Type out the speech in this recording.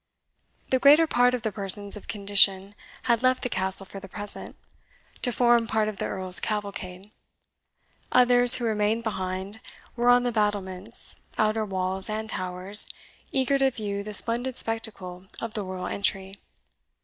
The greater part of the persons of condition had left the Castle for the present, to form part of the Earl's cavalcade; others, who remained behind, were on the battlements, outer walls, and towers, eager to view the splendid spectacle of the royal entry.